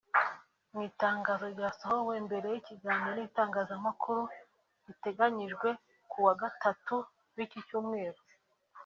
Mu itangazo ryasohowe mbere y’ikiganiro n’itangazamakuru giteganyijwe ku wa Gatatu w’ik Cyumweru